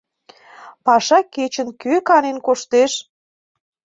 — Паша кечын кӧ канен коштеш!